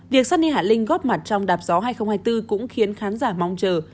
việc săny hạ linh góp mặt trong đạp gió hai nghìn hai mươi bốn cũng khiến khán giả mong chờ